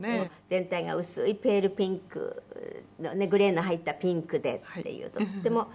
全体が薄いペールピンクのねグレーの入ったピンクでっていうとっても。